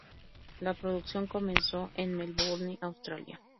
La producción comenzó en Melbourne, Australia.